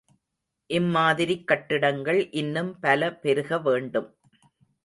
இம்மாதிரிக் கட்டிடங்கள் இன்னும் பல பெருக வேண்டும்.